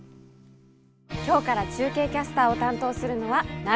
今日から中継キャスターを担当するのは永浦さんです。